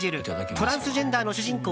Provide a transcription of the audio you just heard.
トランスジェンダーの主人公